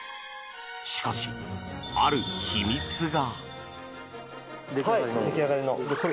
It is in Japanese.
しかし、ある秘密が！